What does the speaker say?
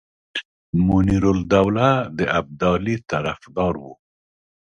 منیرالدوله د ابدالي طرفدار وو.